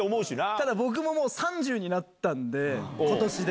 ただ、僕ももう３０になったんで、ことしで。